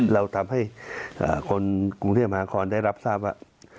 เราทำให้คนกรุงเทพมหาคอนได้รับทราบว่า